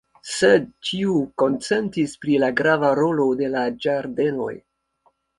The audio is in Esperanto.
Sed ĉiu konsentis pri la grava rolo de la ĝardenoj.